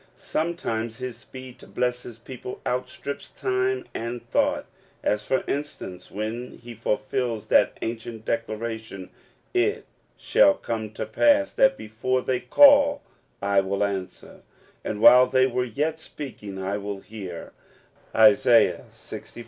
Some times his speed to bless his people outstrips time and thought ; as, for instance, when he fulfils that ancient declaration, "It shall come to pass, that before they call, I will answer ; and while they are yet speaking, I will hear" (Isaiah Ixv.